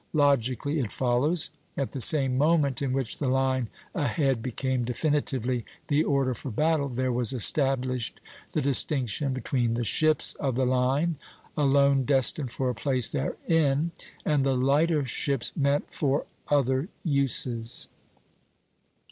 Logically it follows, at the same moment in which the line ahead became definitively the order for battle, there was established the distinction between the ships 'of the line,' alone destined for a place therein, and the lighter ships meant for other uses."